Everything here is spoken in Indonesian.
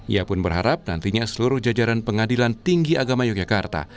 ia pun berharap nantinya seluruh jajaran pengadilan tinggi agama yogyakarta